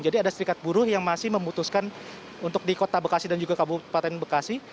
jadi ada serikat buruh yang masih memutuskan untuk di kota bekasi dan juga kabupaten bekasi